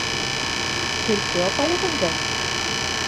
Төлкө апайығыҙҙы?